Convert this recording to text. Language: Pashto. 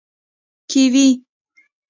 🥝 کیوي